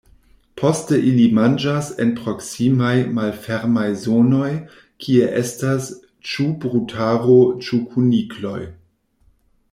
Poste ili manĝas en proksimaj malfermaj zonoj kie estas ĉu brutaro ĉu kunikloj.